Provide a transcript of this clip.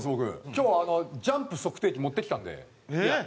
今日はジャンプ測定器持ってきたんで実際に。